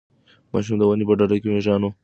ماشوم د ونې په ډډ کې د مېږیانو لاره ولیده.